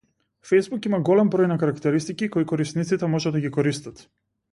Фејсбук има голем број на карактеристики кои корисниците можат да ги користат.